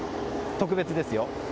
特別ですよ。